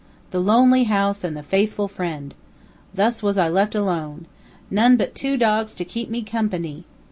The Lonely house and the Faithful friend. Thus was I left alone. None but two dogs to keep me com pa ny.